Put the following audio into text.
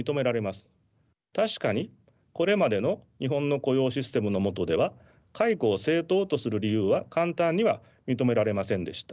確かにこれまでの日本の雇用システムの下では解雇を正当とする理由は簡単には認められませんでした。